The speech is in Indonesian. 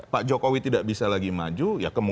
pak jokowi tidak bisa lagi maju